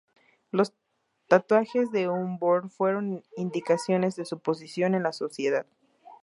Las tatuajes de un vor fueron indicaciones de su posición en la sociedad.